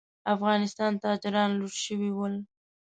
افغانستان تاجران لوټ شوي ول.